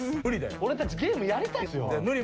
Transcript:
俺たちゲームやりたいんすよ。